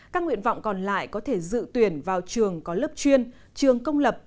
các nguyện vọng còn lại có thể dự tuyển vào trường có lớp chuyên trường công lập